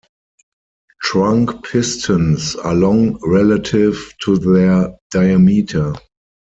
Trunk pistons are long relative to their diameter.